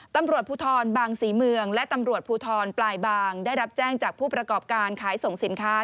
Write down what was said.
ตำรวจภูทรบางศรีเมืองและตำรวจภูทรปลายบางได้รับแจ้งจากผู้ประกอบการขายส่งสินค้า